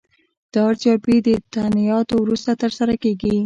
دا ارزیابي د تعیناتو وروسته ترسره کیږي.